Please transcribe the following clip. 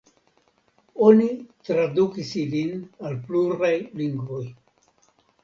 Oni tradukis ilin al pluraj lingvoj.